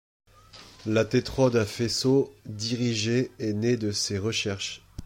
La tétrode à faisceau dirigé est née de ces recherches.